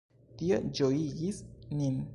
Tio ĝojigis nin.